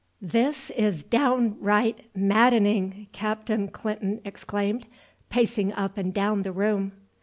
"This is downright maddening!" Captain Clinton exclaimed, pacing up and down the room.